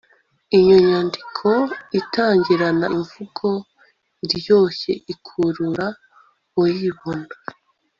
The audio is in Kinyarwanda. iyo nyandiko itangirana imvugo iryoshye ikurura uyibona